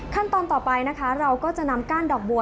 ขั้นตอนต่อไปนะคะเราก็จะนำก้านดอกบัว